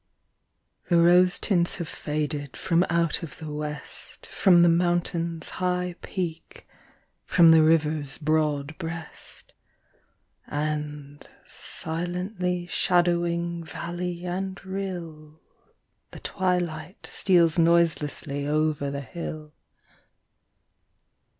The rose tints have faded from out of the West, From the Mountain's high peak, from the river's broad breast. And, silently shadowing valley and rill, The twilight steals noiselessly over the hill.